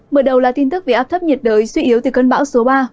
mở đầu là tin tức về áp thấp nhiệt đới suy yếu từ cơn bão số ba